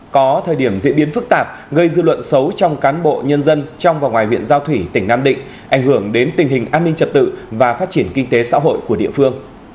có thời điểm diễn biến phức tạp gây dư luận xấu trong cán bộ nhân dân trong và ngoài huyện giao thủy tỉnh nam định ảnh hưởng đến tình hình an ninh trật tự và phát triển kinh tế xã hội của địa phương